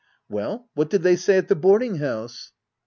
Well, what did they say at the boarding house